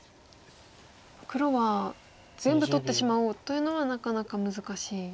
黒は全部取ってしまおうというのはなかなか難しい。